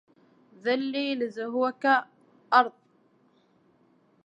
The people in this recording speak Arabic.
ذلي لزهوك أرض